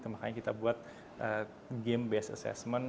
makanya kita buat game based assessment